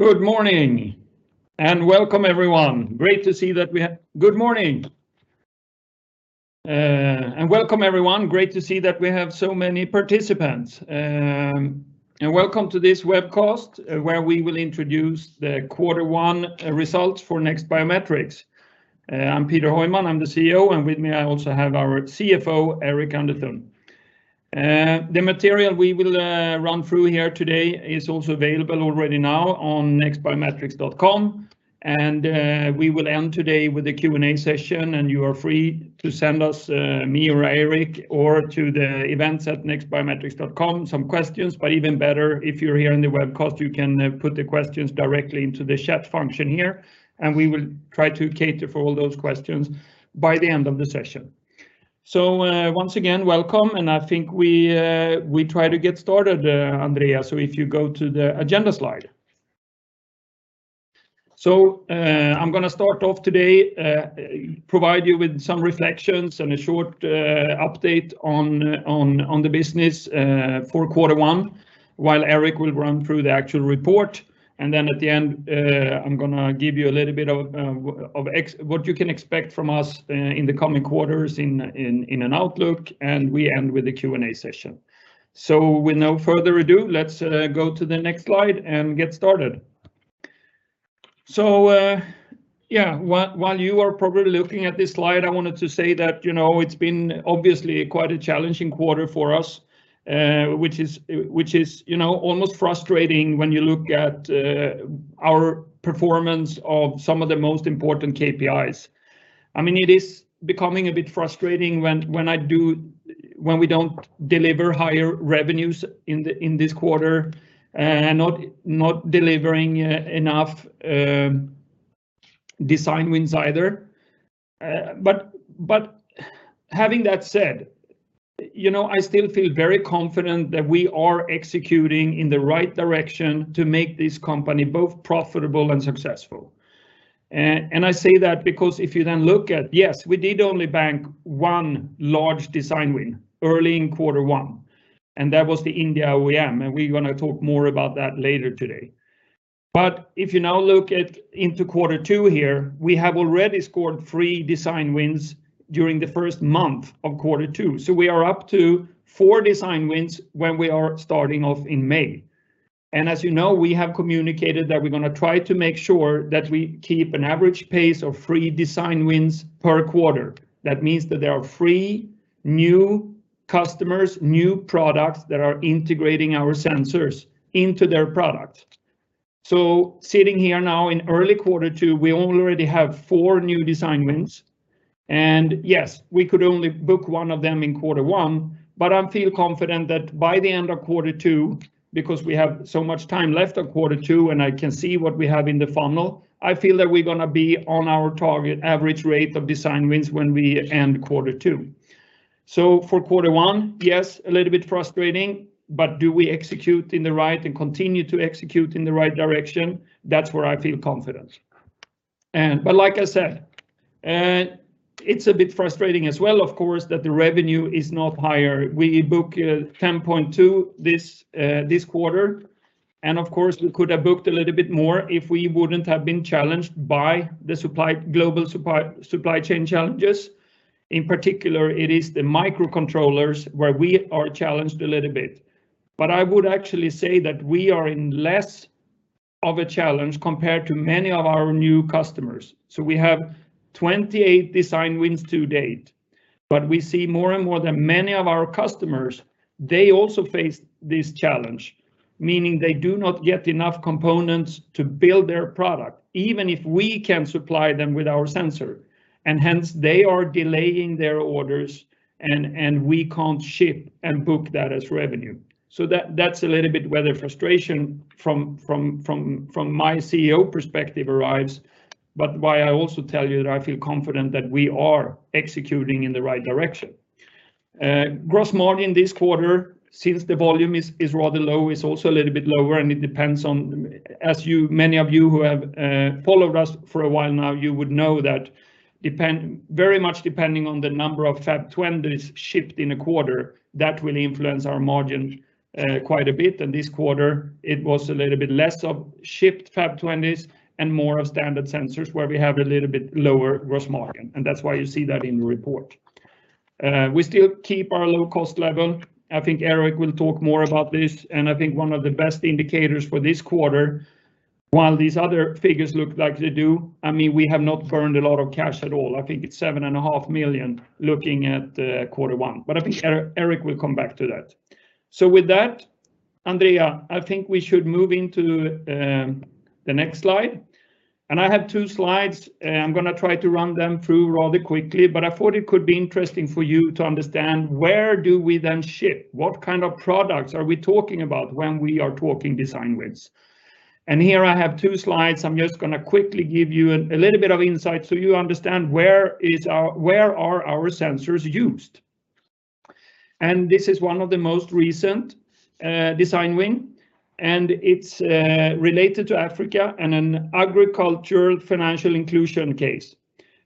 Good morning, and welcome, everyone. Great to see that we have so many participants. Welcome to this webcast, where we will introduce the quarter one results for NEXT Biometrics. I'm Peter Heuman, I'm the CEO, and with me I also have our CFO, Eirik Underthun. The material we will run through here today is also available already now on nextbiometrics.com. We will end today with a Q&A session, and you are free to send us, me or Eirik or to the events at nextbiometrics.com some questions, but even better, if you're here in the webcast, you can put the questions directly into the chat function here, and we will try to cater for all those questions by the end of the session. Once again, welcome, and I think we try to get started, Andrea. If you go to the agenda slide. I'm gonna start off today, provide you with some reflections and a short update on the business for quarter one, while Eirik will run through the actual report. Then at the end, I'm gonna give you a little bit of what you can expect from us in the coming quarters in an outlook, and we end with a Q&A session. With no further ado, let's go to the next slide and get started. While you are probably looking at this slide, I wanted to say that, you know, it's been obviously quite a challenging quarter for us, which is, you know, almost frustrating when you look at our performance of some of the most important KPIs. I mean, it is becoming a bit frustrating when we don't deliver higher revenues in this quarter, not delivering enough design wins either. Having that said, you know, I still feel very confident that we are executing in the right direction to make this company both profitable and successful. I say that because if you then look at, yes, we did only book one large design win early in quarter one, and that was the India OEM, and we're gonna talk more about that later today. If you now look into quarter two here, we have already scored three design wins during the first month of quarter two. We are up to four design wins when we are starting off in May. As you know, we have communicated that we're gonna try to make sure that we keep an average pace of three design wins per quarter. That means that there are three new customers, new products that are integrating our sensors into their product. Sitting here now in early quarter two, we already have four new design wins, and yes, we could only book one of them in quarter one, but I feel confident that by the end of quarter two, because we have so much time left of quarter two, and I can see what we have in the funnel, I feel that we're gonna be on our target average rate of design wins when we end quarter two. For quarter one, yes, a little bit frustrating, but do we execute in the right and continue to execute in the right direction? That's where I feel confident. Like I said, it's a bit frustrating as well, of course, that the revenue is not higher. We book 10.2 million this quarter, and of course, we could have booked a little bit more if we wouldn't have been challenged by the global supply chain challenges. In particular, it is the microcontrollers where we are challenged a little bit. I would actually say that we are in less of a challenge compared to many of our new customers. We have 28 design wins to date, but we see more and more that many of our customers, they also face this challenge, meaning they do not get enough components to build their product, even if we can supply them with our sensor. Hence, they are delaying their orders and we can't ship and book that as revenue. That's a little bit where the frustration from my CEO perspective arrives, but why I also tell you that I feel confident that we are executing in the right direction. Gross margin this quarter, since the volume is rather low, is also a little bit lower and it depends on, as many of you who have followed us for a while now, you would know that very much depending on the number of FAP20s shipped in a quarter, that will influence our margin quite a bit. This quarter it was a little bit less of shipped FAP20s and more of standard sensors, where we have a little bit lower gross margin, and that's why you see that in the report. We still keep our low cost level. I think Eirik will talk more about this, and I think one of the best indicators for this quarter, while these other figures look like they do, I mean, we have not burned a lot of cash at all. I think it's 7.5 million looking at quarter one, but I think Eirik will come back to that. With that, Andrea, I think we should move into the next slide. I have two slides, I'm gonna try to run them through rather quickly, but I thought it could be interesting for you to understand where do we then ship? What kind of products are we talking about when we are talking design wins? Here I have two slides. I'm just gonna quickly give you a little bit of insight so you understand where are our sensors used. This is one of the most recent design win, and it's related to Africa and an agricultural financial inclusion case.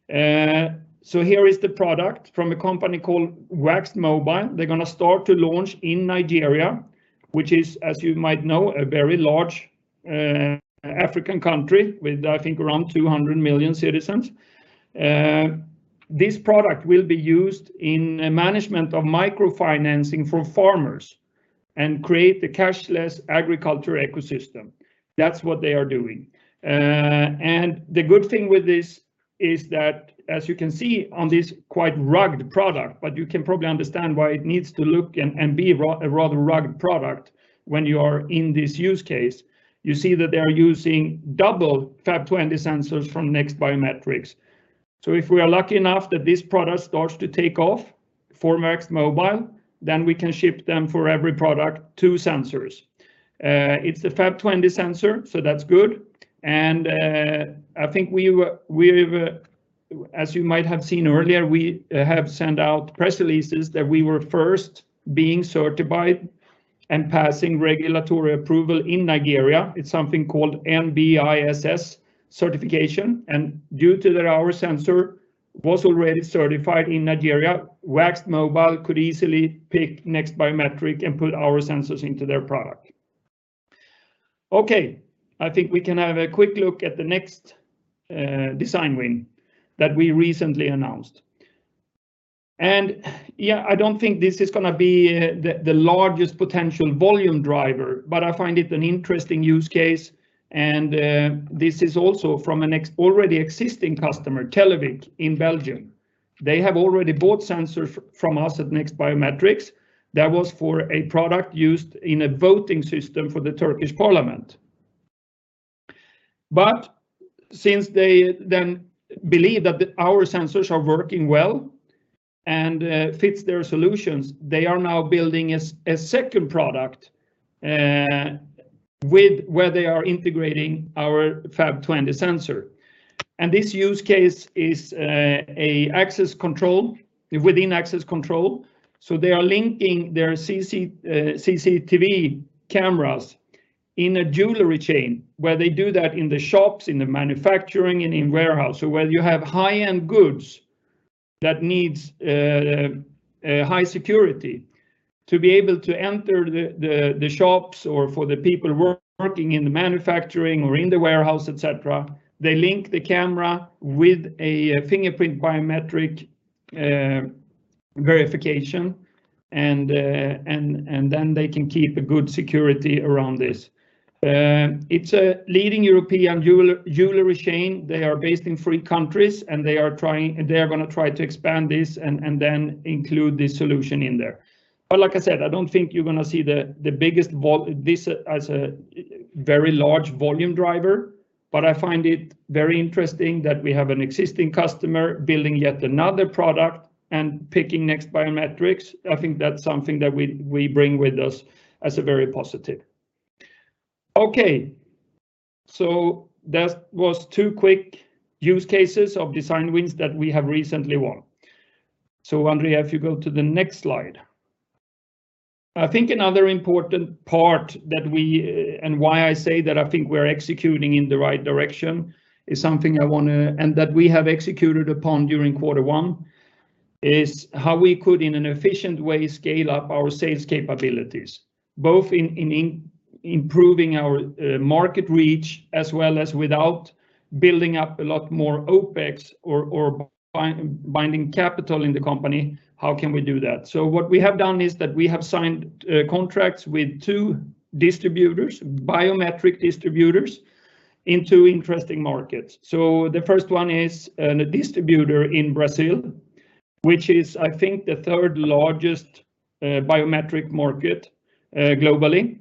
Here is the product from a company called Waxed Mobile. They're gonna start to launch in Nigeria, which is, as you might know, a very large African country with, I think, around 200 million citizens. This product will be used in management of microfinancing for farmers and create the cashless agriculture ecosystem. That's what they are doing. The good thing with this is that, as you can see on this quite rugged product, but you can probably understand why it needs to look and be a rather rugged product when you are in this use case. You see that they are using double FAP20 sensors from NEXT Biometrics. If we are lucky enough that this product starts to take off for Waxed Mobile, then we can ship them for every product, two sensors. It's a FAP20 sensor, so that's good. I think we've, as you might have seen earlier, we have sent out press releases that we were first being certified and passing regulatory approval in Nigeria. It's something called NIBSS certification. Due to that our sensor was already certified in Nigeria, Waxed Mobile could easily pick NEXT Biometrics and put our sensors into their product. Okay. I think we can have a quick look at the next design win that we recently announced. Yeah, I don't think this is gonna be the largest potential volume driver, but I find it an interesting use case, and this is also from an already existing customer, Televic, in Belgium. They have already bought sensors from us at NEXT Biometrics that was for a product used in a voting system for the Turkish parliament. Since they then believe that our sensors are working well and fits their solutions, they are now building a second product with where they are integrating our FAP20 sensor. This use case is a access control, within access control. They are linking their CCTV cameras in a jewelry chain, where they do that in the shops, in the manufacturing, and in warehouse. Where you have high-end goods that needs high security to be able to enter the shops or for the people working in the manufacturing or in the warehouse, et cetera, they link the camera with a fingerprint biometric verification, and then they can keep a good security around this. It's a leading European jewelry chain. They are based in three countries, and they are gonna try to expand this and then include this solution in there. But like I said, I don't think you're gonna see the biggest volume. This as a very large volume driver, but I find it very interesting that we have an existing customer building yet another product and picking NEXT Biometrics. I think that's something that we bring with us as a very positive. That was two quick use cases of design wins that we have recently won. Andrea, if you go to the next slide. I think another important part that we and why I say that I think we're executing in the right direction is something I wanna and that we have executed upon during quarter one is how we could in an efficient way scale up our sales capabilities both in improving our market reach as well as without building up a lot more OpEx or binding capital in the company. How can we do that? What we have done is that we have signed contracts with two distributors biometric distributors in two interesting markets. The first one is the distributor in Brazil which is I think the third-largest biometric market globally.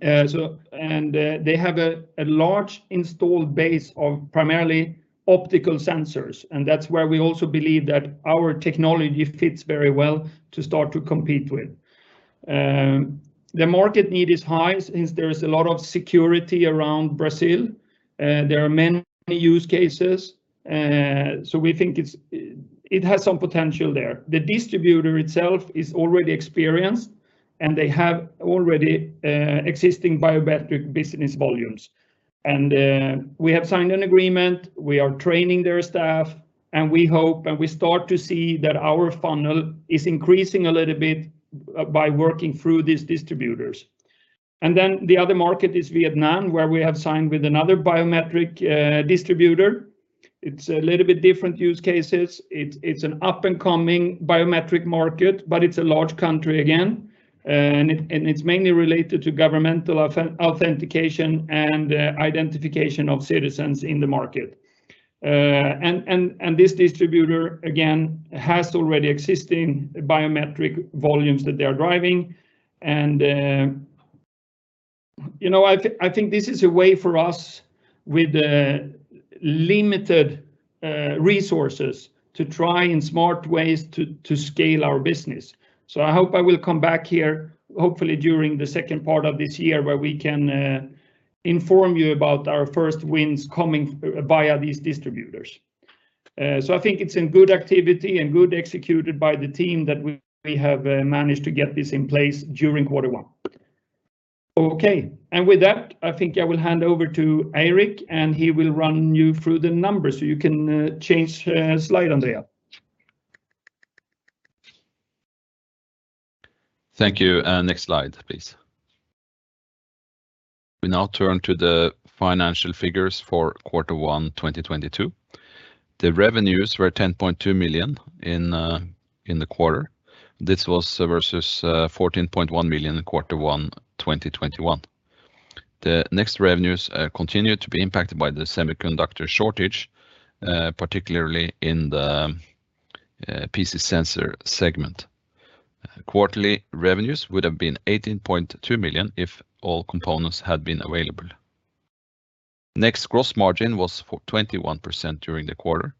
They have a large installed base of primarily optical sensors, and that's where we also believe that our technology fits very well to start to compete with. The market need is high since there is a lot of security around Brazil. There are many use cases, so we think it has some potential there. The distributor itself is already experienced, and they have already existing biometric business volumes. We have signed an agreement, we are training their staff, and we hope, and we start to see that our funnel is increasing a little bit by working through these distributors. The other market is Vietnam, where we have signed with another biometric distributor. It's a little bit different use cases. It's an up-and-coming biometric market, but it's a large country again, and it's mainly related to governmental authentication and identification of citizens in the market. This distributor, again, has already existing biometric volumes that they are driving. You know, I think this is a way for us with limited resources to try in smart ways to scale our business. I hope I will come back here, hopefully during the second part of this year, where we can inform you about our first wins coming via these distributors. I think it's in good activity and good execution by the team that we have managed to get this in place during quarter one. Okay. With that, I think I will hand over to Eirik, and he will run you through the numbers. You can change slide, Andrea. Thank you. Next slide, please. We now turn to the financial figures for quarter one, 2022. The revenues were 10.2 million in the quarter. This was versus 14.1 million in quarter one, 2021. The NEXT revenues continued to be impacted by the semiconductor shortage, particularly in the PC sensor segment. Quarterly revenues would have been 18.2 million if all components had been available. NEXT gross margin was 21% during the quarter.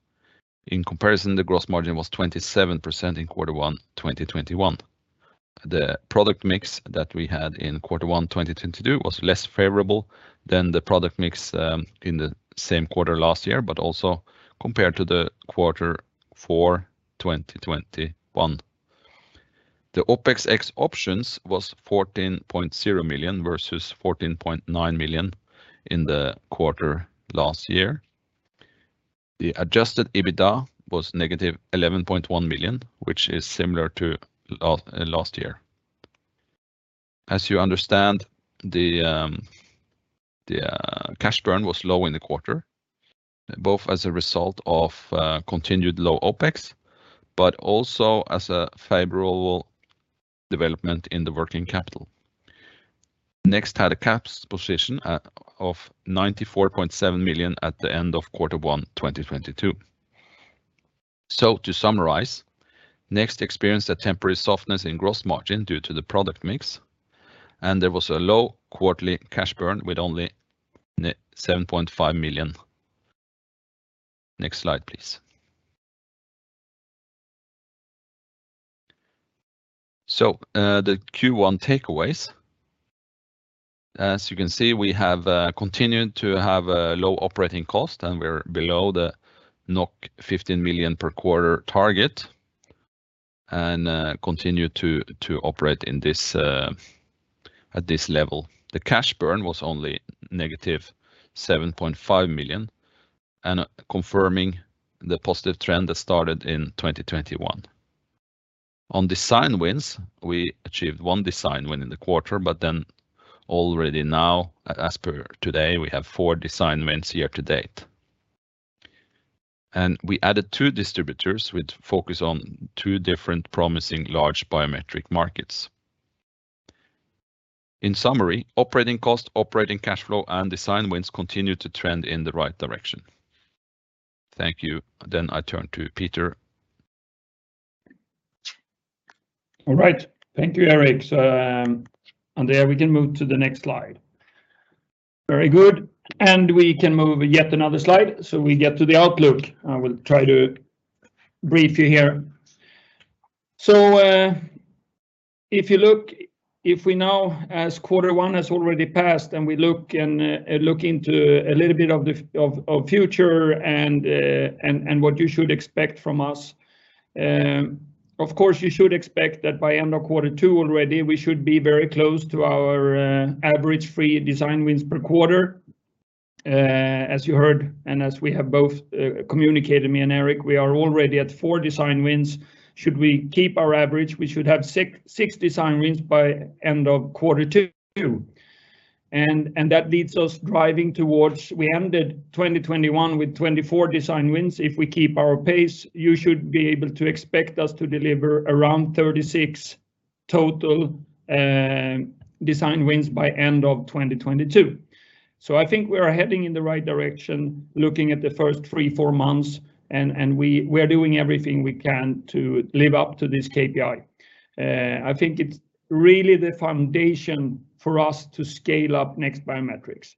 In comparison, the gross margin was 27% in quarter one, 2021. The product mix that we had in quarter one, 2022 was less favorable than the product mix in the same quarter last year, but also compared to quarter four, 2021. The OpEx options was 14.0 million versus 14.9 million in the quarter last year. The adjusted EBITDA was -11.1 million, which is similar to last year. As you understand, the cash burn was low in the quarter, both as a result of continued low OpEx, but also as a favorable development in the working capital. NEXT had a cash position of 94.7 million at the end of quarter one, 2022. To summarize, NEXT experienced a temporary softness in gross margin due to the product mix, and there was a low quarterly cash burn with only 7.5 million. Next slide, please. The Q1 takeaways, as you can see, we have continued to have a low operating cost, and we're below the 15 million per quarter target and continue to operate in this at this level. The cash burn was only -7.5 million, confirming the positive trend that started in 2021. On design wins, we achieved one design win in the quarter, but then already now, as per today, we have four design wins year to date. We added two distributors with focus on two different promising large biometric markets. In summary, operating cost, operating cash flow, and design wins continue to trend in the right direction. Thank you. I turn to Peter. All right. Thank you, Eirik. On there, we can move to the next slide. Very good. We can move yet another slide, so we get to the outlook. I will try to brief you here. If you look, if we now, as quarter one has already passed, and we look into a little bit of the future and what you should expect from us, of course, you should expect that by end of quarter two already, we should be very close to our average three design wins per quarter. As you heard, and as we have both communicated, me and Eirik, we are already at four design wins. Should we keep our average, we should have six design wins by end of quarter two. That leads us driving towards we ended 2021 with 24 design wins. If we keep our pace, you should be able to expect us to deliver around 36 total design wins by end of 2022. I think we are heading in the right direction, looking at the first three, four months and we are doing everything we can to live up to this KPI. I think it's really the foundation for us to scale up NEXT Biometrics.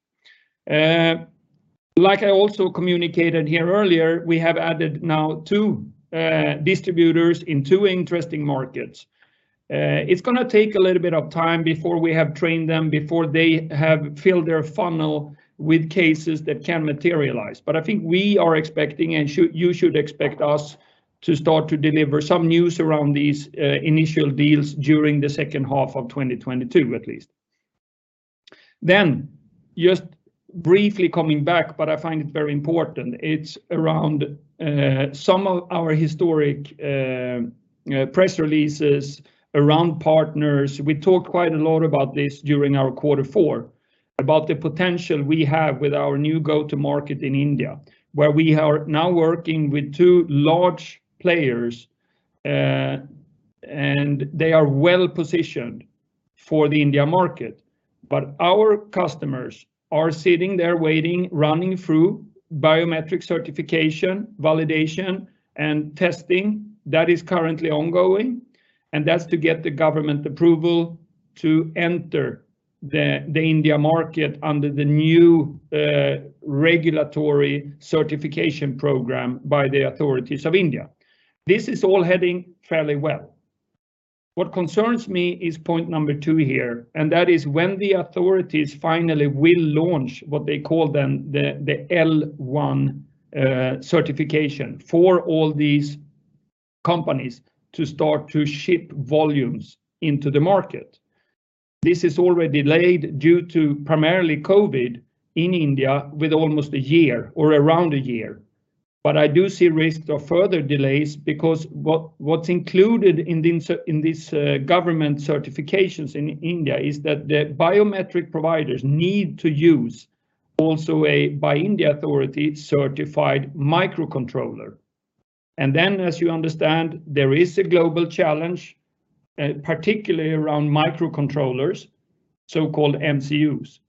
Like I also communicated here earlier, we have added now two distributors in two interesting markets. It's gonna take a little bit of time before we have trained them, before they have filled their funnel with cases that can materialize. I think we are expecting, you should expect us to start to deliver some news around these initial deals during the second half of 2022 at least. Just briefly coming back, I find it very important, it's around some of our historic press releases around partners. We talked quite a lot about this during our quarter four, about the potential we have with our new go-to-market in India, where we are now working with two large players, and they are well-positioned for the India market. Our customers are sitting there waiting, running through biometric certification, validation, and testing that is currently ongoing. That's to get the government approval to enter the India market under the new regulatory certification program by the authorities of India. This is all heading fairly well. What concerns me is point number two here, and that is when the authorities finally will launch what they call then the L1 certification for all these companies to start to ship volumes into the market. This is already delayed due to primarily COVID in India with almost a year or around a year. I do see risk of further delays because what's included in this government certifications in India is that the biometric providers need to use also a Buy India authority certified microcontroller. Then as you understand, there is a global challenge, particularly around microcontrollers, so-called MCUs.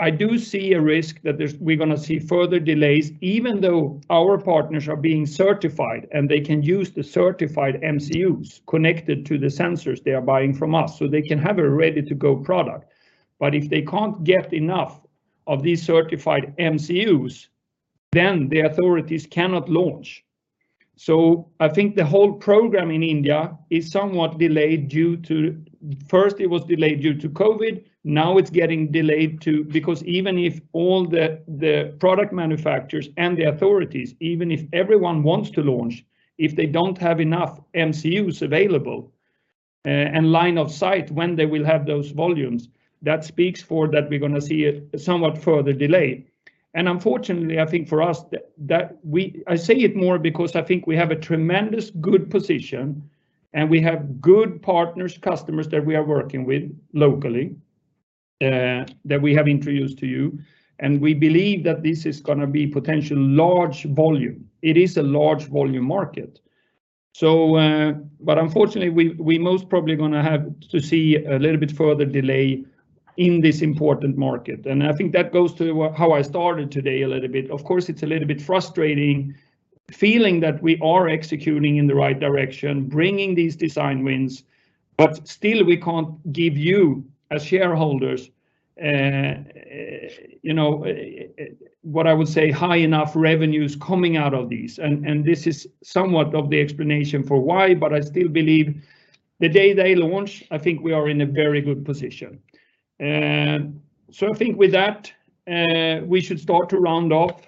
I do see a risk that we're gonna see further delays even though our partners are being certified and they can use the certified MCUs connected to the sensors they are buying from us, so they can have a ready-to-go product. If they can't get enough of these certified MCUs, then the authorities cannot launch. I think the whole program in India is somewhat delayed due to, first it was delayed due to COVID, now it's getting delayed too, because even if all the product manufacturers and the authorities, even if everyone wants to launch, if they don't have enough MCUs available, and line of sight when they will have those volumes, that speaks to that we're gonna see a somewhat further delay. Unfortunately, I think for us, that we, I say it more because I think we have a tremendous good position, and we have good partners, customers that we are working with locally, that we have introduced to you. We believe that this is gonna be potentially large volume. It is a large volume market. Unfortunately, we most probably gonna have to see a little bit further delay in this important market. I think that goes to how I started today a little bit. Of course, it's a little bit frustrating feeling that we are executing in the right direction, bringing these design wins. Still we can't give you as shareholders what I would say high enough revenues coming out of these. This is somewhat of the explanation for why, but I still believe the day they launch, I think we are in a very good position. I think with that, we should start to round off.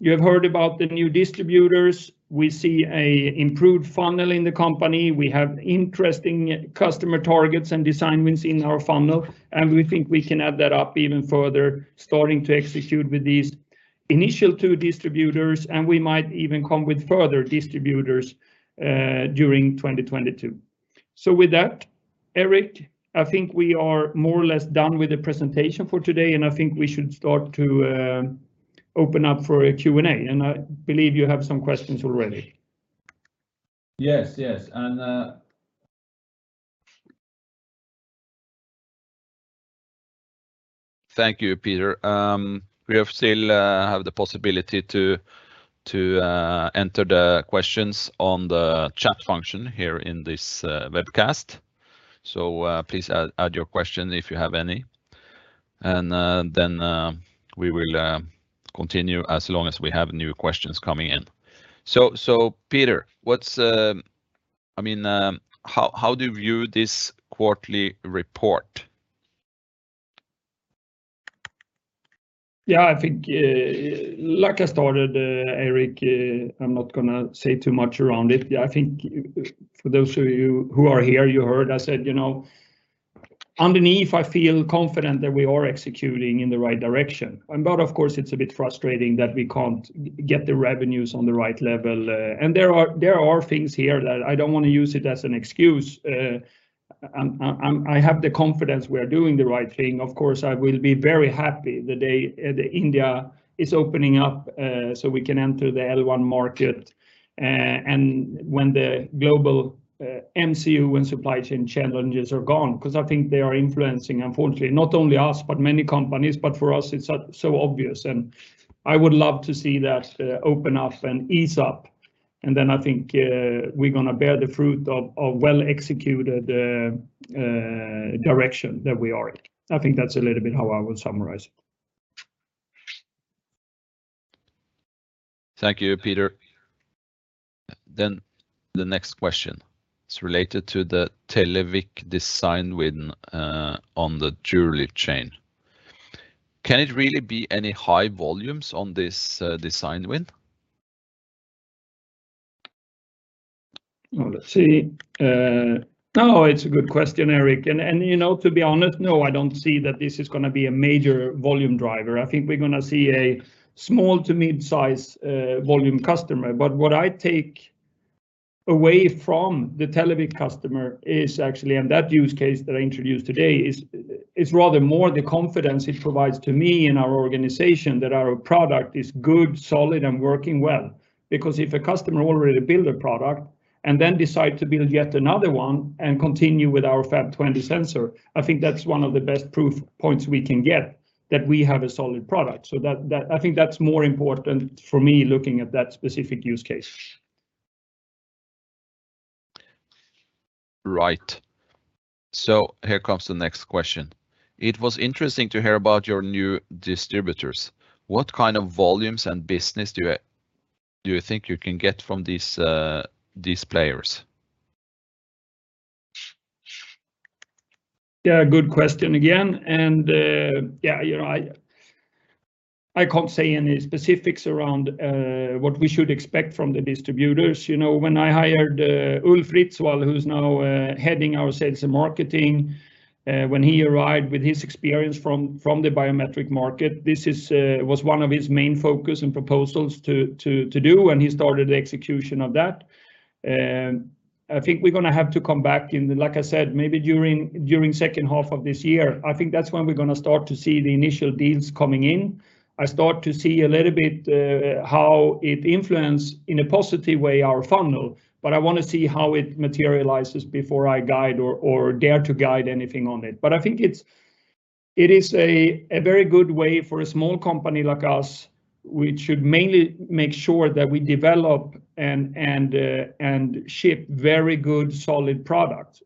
You have heard about the new distributors. We see an improved funnel in the company. We have interesting customer targets and design wins in our funnel, and we think we can add that up even further, starting to execute with these initial two distributors, and we might even come with further distributors during 2022. With that, Eirik, I think we are more or less done with the presentation for today, and I think we should start to open up for a Q&A. I believe you have some questions already. Thank you, Peter. We still have the possibility to enter the questions on the chat function here in this webcast. Please add your question if you have any. We will continue as long as we have new questions coming in. Peter, I mean, how do you view this quarterly report? Yeah. I think, like I started, Eirik, I'm not gonna say too much around it. Yeah, I think for those of you who are here, you heard I said, you know, underneath I feel confident that we are executing in the right direction. Of course it's a bit frustrating that we can't get the revenues on the right level. There are things here that I don't wanna use it as an excuse. I have the confidence we are doing the right thing. Of course, I will be very happy the day India is opening up so we can enter the L1 market. When the global MCU and supply chain challenges are gone, 'cause I think they are influencing, unfortunately, not only us, but many companies, but for us it's so obvious. I would love to see that open up and ease up, and then I think we're gonna bear the fruit of well-executed direction that we are in. I think that's a little bit how I will summarize it. Thank you, Peter. The next question is related to the Televic design win on the jewelry chain. Can it really be any high volumes on this design win? Oh, let's see. No, it's a good question, Eirik. You know, to be honest, no, I don't see that this is gonna be a major volume driver. I think we're gonna see a small to mid-size volume customer. What I take away from the Televic customer is actually, and that use case that I introduced today, is rather more the confidence it provides to me and our organization that our product is good, solid, and working well. Because if a customer already build a product and then decide to build yet another one and continue with our FAP20 sensor, I think that's one of the best proof points we can get that we have a solid product. I think that's more important for me looking at that specific use case. Right. Here comes the next question. It was interesting to hear about your new distributors. What kind of volumes and business do you think you can get from these these players? Yeah, good question again. Yeah, you know, I can't say any specifics around what we should expect from the distributors. You know, when I hired Ulf Ritsvall, who's now heading our sales and marketing, when he arrived with his experience from the biometric market, this was one of his main focus and proposals to do, and he started the execution of that. I think we're gonna have to come back in, like I said, maybe during second half of this year. I think that's when we're gonna start to see the initial deals coming in. I start to see a little bit how it influence, in a positive way, our funnel, but I wanna see how it materializes before I guide or dare to guide anything on it. I think it is a very good way for a small company like us, which should mainly make sure that we develop and ship very good solid product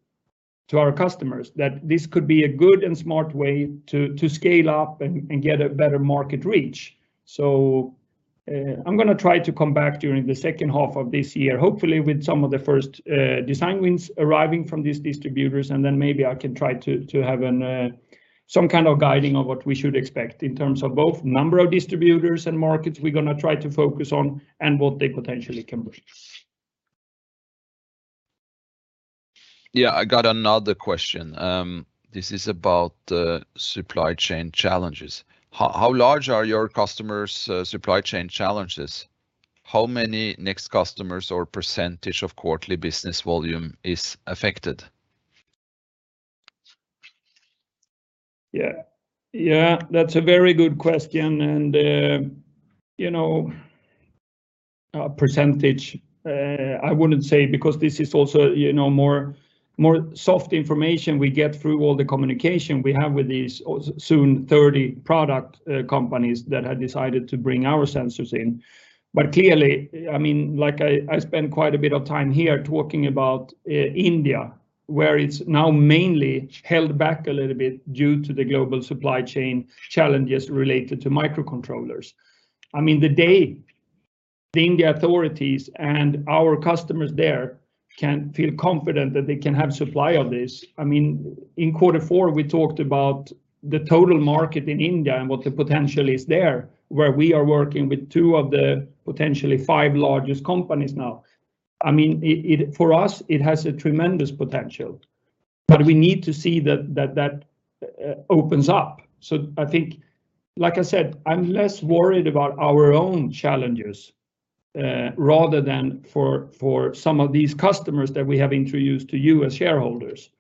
to our customers, that this could be a good and smart way to scale up and get a better market reach. I'm gonna try to come back during the second half of this year, hopefully with some of the first design wins arriving from these distributors and then maybe I can try to have some kind of guiding of what we should expect in terms of both number of distributors and markets we're gonna try to focus on and what they potentially can bring. Yeah, I got another question. This is about the supply chain challenges. How large are your customers' supply chain challenges? How many NEXT customers or percentage of quarterly business volume is affected? Yeah. Yeah, that's a very good question. You know, a percentage I wouldn't say because this is also, you know, more soft information we get through all the communication we have with these or so soon 30 product companies that have decided to bring our sensors in. Clearly, I mean, like I spent quite a bit of time here talking about India, where it's now mainly held back a little bit due to the global supply chain challenges related to microcontrollers. I mean, the day the Indian authorities and our customers there can feel confident that they can have supply of this, I mean, in quarter four, we talked about the total market in India and what the potential is there, where we are working with two of the potentially five largest companies now. For us, it has a tremendous potential, but we need to see that opens up. I think, like I said, I'm less worried about our own challenges rather than for some of these customers that we have introduced to you as shareholders.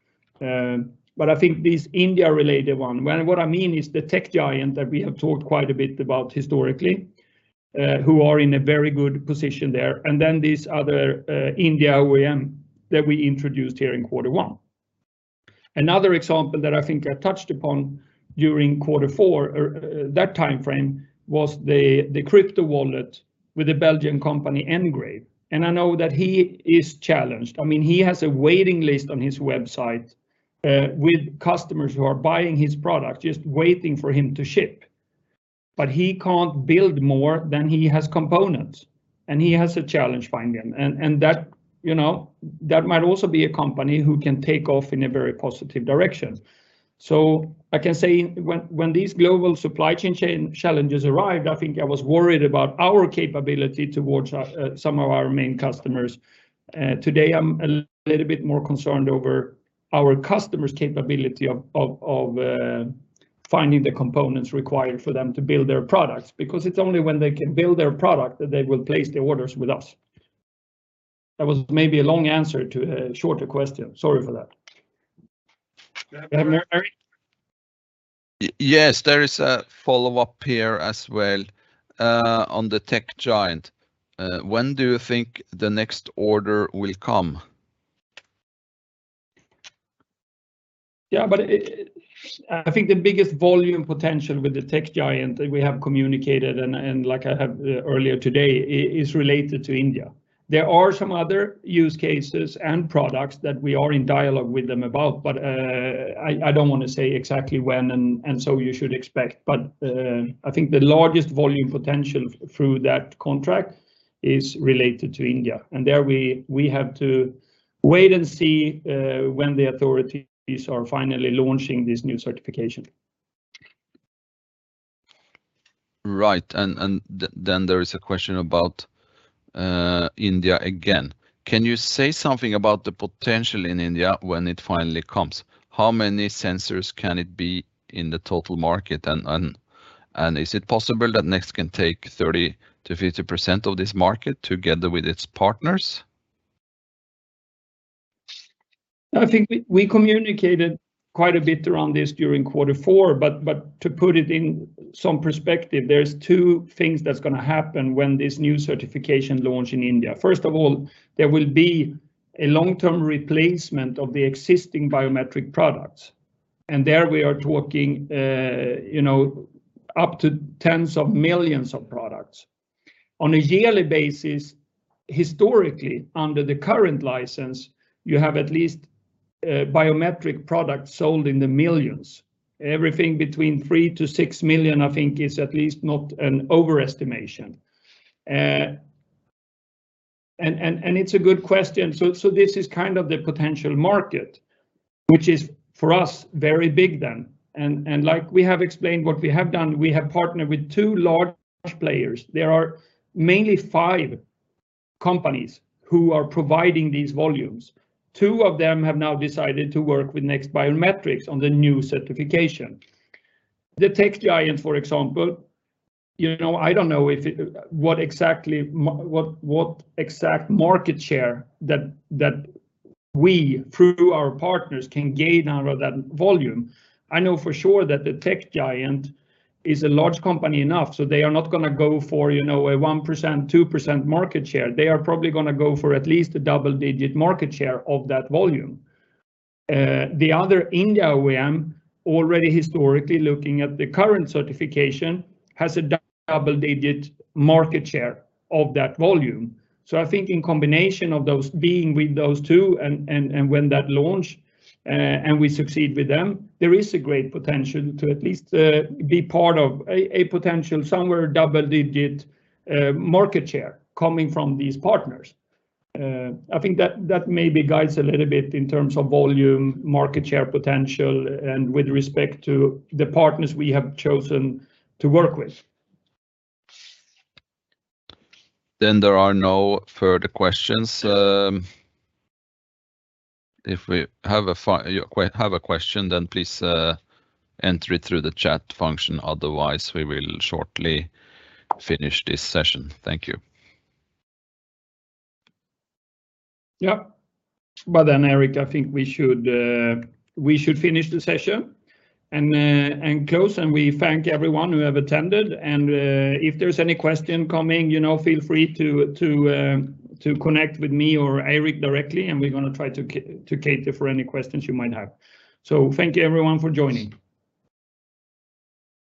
I think this India-related one, what I mean is the tech giant that we have talked quite a bit about historically, who are in a very good position there, and then these other India OEM that we introduced here in quarter one. Another example that I think I touched upon during quarter four that timeframe was the crypto wallet with the Belgian company, NGRAVE, and I know that he is challenged. I mean, he has a waiting list on his website with customers who are buying his product, just waiting for him to ship. But he can't build more than he has components, and he has a challenge finding them. That, you know, that might also be a company who can take off in a very positive direction. I can say when these global supply chain challenges arrived, I think I was worried about our capability towards some of our main customers. Today I'm a little bit more concerned over our customers' capability of finding the components required for them to build their products, because it's only when they can build their product that they will place the orders with us. That was maybe a long answer to a shorter question. Sorry for that. We have another? Yes, there is a follow-up here as well, on the tech giant. When do you think the next order will come? Yeah, I think the biggest volume potential with the tech giant that we have communicated and like I have earlier today is related to India. There are some other use cases and products that we are in dialogue with them about, but I don't wanna say exactly when and so you should expect, but I think the largest volume potential through that contract is related to India. There we have to wait and see when the authorities are finally launching this new certification. Right. There is a question about India again. Can you say something about the potential in India when it finally comes? How many sensors can it be in the total market? Is it possible that NEXT can take 30%-50% of this market together with its partners? I think we communicated quite a bit around this during quarter four, but to put it in some perspective, there are two things that's gonna happen when this new certification launch in India. First of all, there will be a long-term replacement of the existing biometric products, and there we are talking, you know, up to tens of millions of products. On a yearly basis, historically, under the current license, you have at least biometric products sold in the millions. Everything between 3 million-6 million, I think, is at least not an overestimation. It's a good question. This is kind of the potential market, which is for us very big then. Like we have explained what we have done, we have partnered with two large players. There are mainly five companies who are providing these volumes. Two of them have now decided to work with NEXT Biometrics on the new certification. The tech giant, for example, you know, I don't know what exact market share that we through our partners can gain out of that volume. I know for sure that the tech giant is a large company enough, so they are not gonna go for, you know, a 1%, 2% market share. They are probably gonna go for at least a double-digit market share of that volume. The other India OEM already historically looking at the current certification has a double-digit market share of that volume. I think in combination with those two and when that launches, and we succeed with them, there is a great potential to at least be part of a potential somewhere double-digit market share coming from these partners. I think that maybe guides a little bit in terms of volume, market share potential and with respect to the partners we have chosen to work with. There are no further questions. If you have a question, then please enter it through the chat function. Otherwise, we will shortly finish this session. Thank you. Yeah. Eirik, I think we should finish the session and close, and we thank everyone who have attended. If there's any question coming, you know, feel free to connect with me or Eirik directly, and we're gonna try to cater for any questions you might have. Thank you everyone for joining.